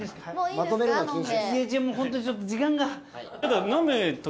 ホントにちょっと時間が。